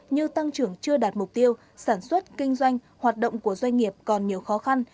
như tăng trưởng chưa đạt mục tiêu sản xuất kinh doanh hoạt động của doanh nghiệp còn nhiều khó khăn